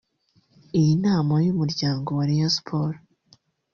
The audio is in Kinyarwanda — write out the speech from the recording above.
Iyi nama y’umuryango wa Rayon Sports